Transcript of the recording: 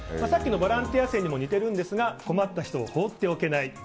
さっきのボランティア線にも似てるんですが困った人を放っておけない。